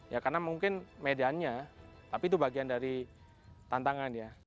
ya karena mungkin medannya tapi itu bagian dari tantangan ya